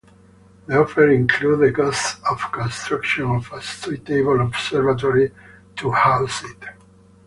The offer included the cost of construction of a suitable observatory to house it.